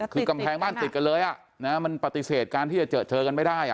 คือกำแพงบ้านติดกันเลยอ่ะนะฮะมันปฏิเสธการที่จะเจอเจอกันไม่ได้อ่ะ